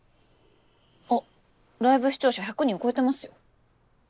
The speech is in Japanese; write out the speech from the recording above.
あっライブ視聴者１００人を超えてますよ。